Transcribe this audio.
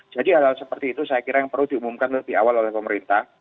jadi hal hal seperti itu saya kira yang perlu diumumkan lebih awal oleh pemerintah